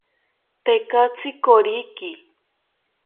Tekatzi koriki